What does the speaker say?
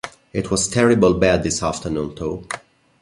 It was terrible bad this afternoon, though.